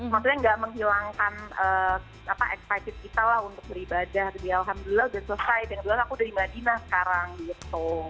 maksudnya nggak menghilangkan excited kita lah untuk beribadah jadi alhamdulillah udah selesai dan bilang aku udah di madinah sekarang gitu